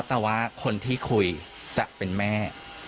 โทษหาพอแต่ว่าคนที่คุยจะเป็นแม่